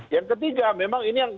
yang ketiga memang ini yang